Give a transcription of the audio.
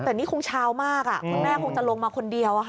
แต่นี่คงเช้ามากคุณแม่คงจะลงมาคนเดียว